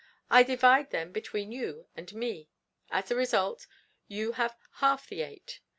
I divide them between you and me. As the result, you have half the eight.